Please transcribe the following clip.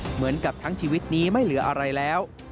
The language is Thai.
เหมือนกับทั้งชีวิตนี้ไม่เหลืออะไรแล้ว